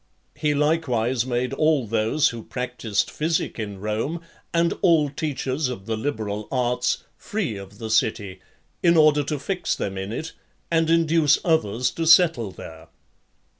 He likewise made all those who practised physic in Rome, and all teachers of the liberal arts, free of the city, in order to fix them in it, and induce others to settle there.